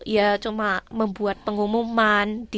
ya cuma membuat pengumuman